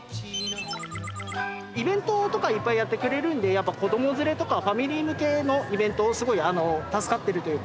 イベントとかいっぱいやってくれるんでやっぱ子ども連れとかファミリー向けのイベントをすごい助かってるというか。